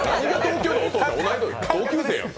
同級生やん！